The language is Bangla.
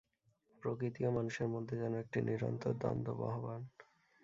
প্রকৃতি ও মানুষের মধ্যে যেন একটি নিরন্তর দ্বন্দ মহমান।